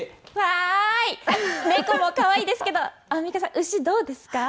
猫もかわいいですけどアンミカさん、牛どうですか。